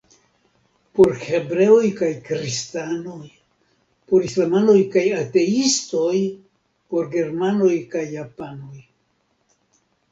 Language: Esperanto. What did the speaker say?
Por hebreoj kaj kristanoj, por islamanoj kaj ateistoj, por germanoj kaj japanoj.